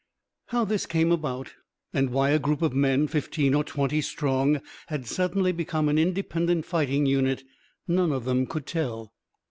How this came about, and why a group of men, fifteen or twenty strong, had suddenly become an independent fighting unit, none of them could tell.